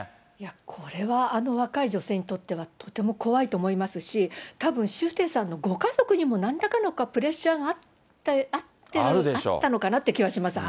これは、あの若い女性にとっては、とても怖いと思いますし、たぶん、周庭さんのご家族にも、なんらかのプレッシャーがあったのかなっていう気がします。